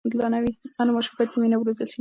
هر ماشوم باید په مینه وروزل سي.